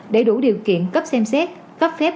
để đủ điều kiện cấp xem xét cấp phép